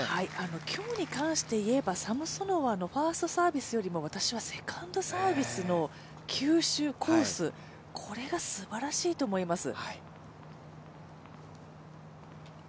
今日に関して言えばサムソノワのファーストサービスよりも私はセカンドサービスの吸収、コース、これがすばらしいと思います。